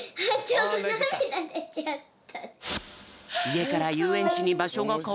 いえからゆうえんちにばしょがかわると？